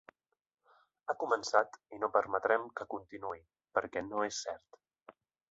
Ha començat i no permetrem que continuï perquè no és cert.